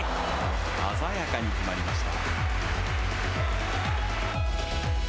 鮮やかに決まりました。